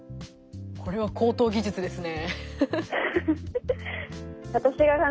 これは高等技術ですね。